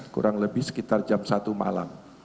kurang lebih sekitar jam satu malam